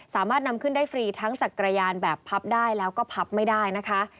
สามารถนำขึ้นได้ฟรีทั้งจักรยานแบบพับได้แล้วก็พับไม่ได้นะคะ